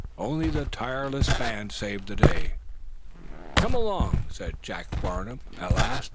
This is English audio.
Only the tireless band saved the day. "Come along," said Jacob Farnum, at last.